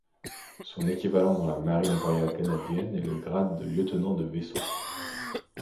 Son équivalent dans la Marine royale canadienne est le grade de lieutenant de vaisseau.